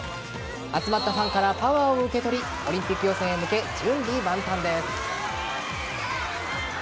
集まったファンからパワーを受け取りオリンピック予選へ向け準備万端です。